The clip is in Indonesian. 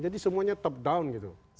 jadi semuanya top down gitu